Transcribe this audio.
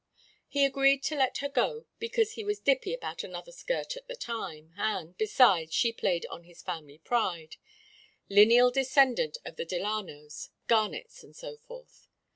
"He agreed to let her go because he was dippy about another skirt at the time, and, besides, she played on his family pride lineal descendant of the Delanos, Garnetts, and so forth.